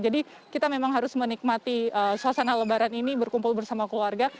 jadi kita memang harus menikmati suasana lebaran ini berkumpul bersama keluarga